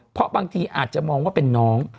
เพราะบางทีอาจจะมองว่าเป็นน้อง